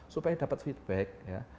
supaya dapat feedback ya